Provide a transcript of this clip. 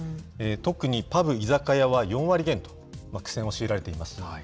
特にパブ・居酒屋は４割減と、苦戦を強いられています。